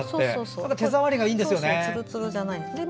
手触りがいいんですよね。